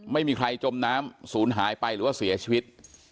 มันมีเป็นน้ำสูญหายไปหรืออะเสียชีวิต